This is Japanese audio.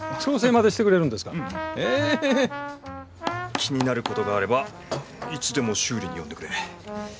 気になることがあればいつでも修理に呼んでくれ。